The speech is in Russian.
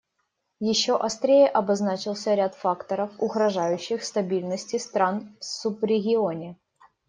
Еще острее обозначился ряд факторов, угрожающих стабильности стран в субрегионе.